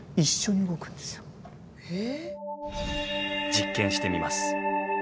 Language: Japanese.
実験してみます。